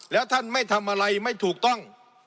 แล้วท่านไม่ทำอะไรไม่ถูกต้อง